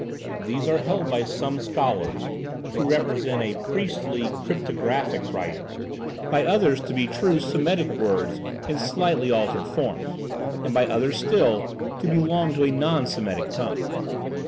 These are held by some scholars to represent a priestly, cryptographic writing, by others to be true Semitic words in slightly altered form, and by others still to belong to a non Semitic tongue.